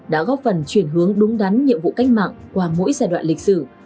đã góp phần chuyển hướng đúng đắn nhiệm vụ cách mạng qua mỗi giai đoạn lịch sử